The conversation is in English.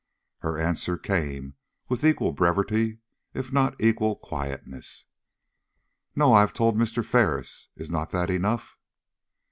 Her answer came with equal brevity if not equal quietness. "No; I have told Mr. Ferris; is not that enough?"